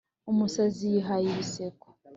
umusazi yihaye ibiseko,